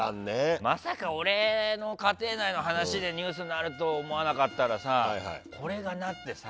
まさかの俺の家庭の話がニュースになるとは思わなかったらこれがなってさ。